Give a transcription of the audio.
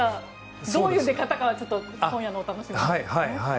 どういう出方かは今夜のお楽しみで。